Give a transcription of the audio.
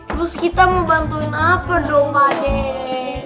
terus kita mau bantuin apa dong pakde